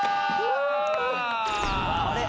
あれ？